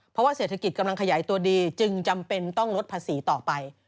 เพราะว่าเศรษฐกิจกำลังขยายตัวดีจึงจำเป็นต้องลดภาษีต่อไป